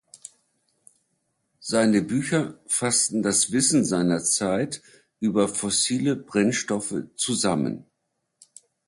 Seine Bücher fassten das Wissen seiner Zeit über fossile Brennstoffe zusammen.